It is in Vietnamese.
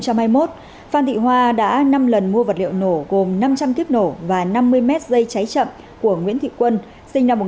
từ đầu tháng năm năm hai nghìn hai mươi một phan thị hoa đã năm lần mua vật liệu nổ gồm năm trăm linh thiếp nổ và năm mươi mét dây cháy chậm của nguyễn thị quân